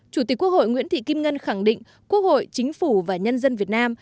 chủ tịch quốc hội nguyễn thị kim ngân khẳng định quốc hội chính phủ và nhân dân việt nam